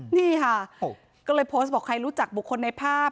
นี่ค่ะก็เลยโพสต์บอกใครรู้จักบุคคลในภาพ